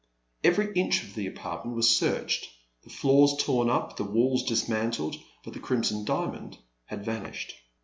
Every inch of the apartment was searched, the floors torn up, the walls dis mantled, but the Crimson Diamond had van ished.